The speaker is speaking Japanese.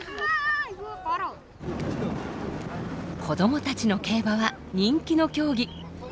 子どもたちの競馬は人気の競技。